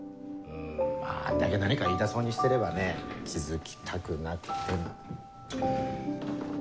んまぁあんだけ何か言いたそうにしてればね気付きたくなくても。